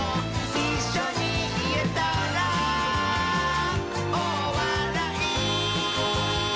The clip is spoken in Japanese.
「いっしょにいえたら」「おおわらい」